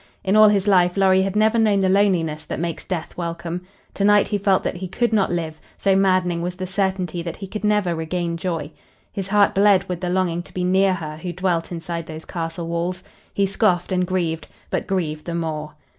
In all his life Lorry had never known the loneliness that makes death welcome. To night he felt that he could not live, so maddening was the certainty that he could never regain joy. His heart bled with the longing to be near her who dwelt inside those castle walls. He scoffed and grieved, but grieved the more.